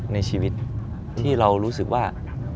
ในชีวิตที่เรารู้สึกว่า